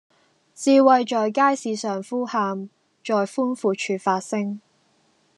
智慧在街市上呼喊，在寬闊處發聲